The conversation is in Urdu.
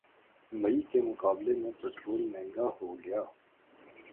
مئی کے مقابلے میں پٹرول مہنگا ہوگیا